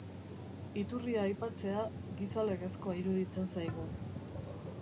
Iturria aipatzea, gizalegezkoa iruditzen zaigu.